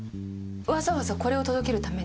わざわざこれを届けるために？